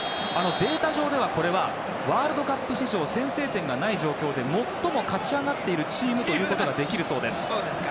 データ上では、これはワールドカップ史上先制点がない状況で最も勝ち上がっているチームといえることができるそうです。